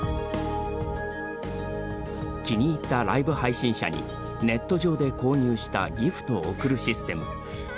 気に入ったライブ配信者にネット上で購入したギフトを贈るシステ厶。